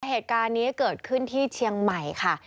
เหตุการณ์นี้เกิดขึ้นที่เชียงใหม่ค่ะ